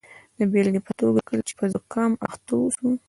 د بیلګې په توګه کله چې په زکام اخته اوسو.